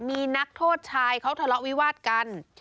มีนักโทษชายเขาทะเลาะวิวาดกัน